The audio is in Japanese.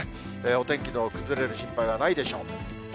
お天気の崩れる心配はないでしょう。